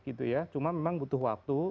gitu ya cuma memang butuh waktu